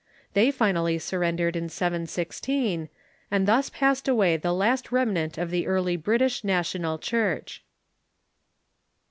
They finally surrendered in 716, and thus passed away the last remnant of the early British National Church.